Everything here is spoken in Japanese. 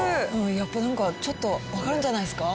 やっぱなんかちょっとわかるんじゃないですか？